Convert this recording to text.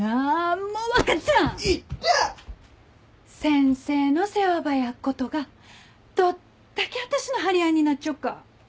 先生の世話ば焼っことがどっだけあたしの張り合いになっちょっか。